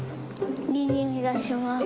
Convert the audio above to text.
いいにおいがします。